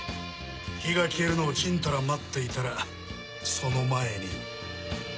火が消えるのをちんたら待っていたらその前に。